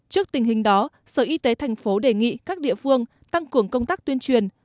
trước tình hình đó sở y tế tp đề nghị các địa phương tăng cuồng công tác tuyên truyền